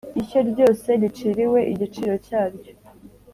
ishyo ryose riciriwe igiciro cyaryo